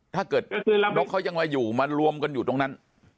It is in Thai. ถ้าเกิดนกเขายังมาอยู่มารวมกันอยู่ตรงนั้น